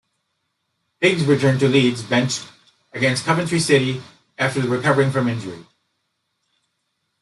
Higgs returned to Leeds' bench against Coventry City after recovering from injury.